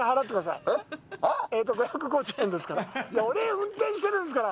いや、俺、運転してるんですから。